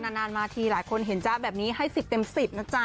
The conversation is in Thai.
นานมาทีหลายคนเห็นจ๊ะแบบนี้ให้๑๐เต็ม๑๐นะจ๊ะ